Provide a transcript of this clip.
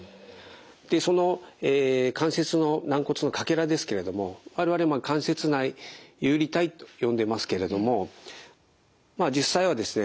でその関節の軟骨のかけらですけれども我々関節内遊離体と呼んでますけれども実際はですね